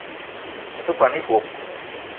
Me te kwan ebog